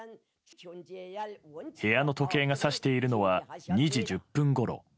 部屋の時計がさしているのは２時１０分ごろ。